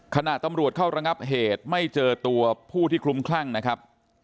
ขณะตำรวจเข้าระงับเหตุไม่เจอตัวผู้ที่คลุ้มคลั่งนะครับ